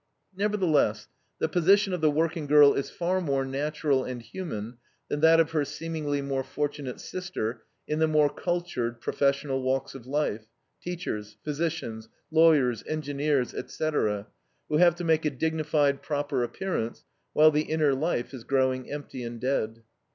Nevertheless, the position of the working girl is far more natural and human than that of her seemingly more fortunate sister in the more cultured professional walks of life teachers, physicians, lawyers, engineers, etc., who have to make a dignified, proper appearance, while the inner life is growing empty and dead.